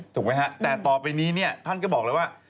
ถูกไหมฮะแต่ต่อไปนี้เนี่ยท่านก็บอกเลยว่า